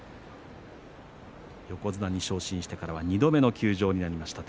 横綱に昇進してからは２度目の休場になりました